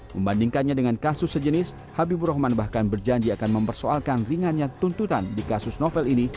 membandingkannya dengan kasus sejenis habibur rahman bahkan berjanji akan mempersoalkan ringannya tuntutan di kasus novel ini